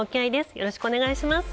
よろしくお願いします。